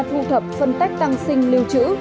thu thập phân tách tăng sinh lưu trữ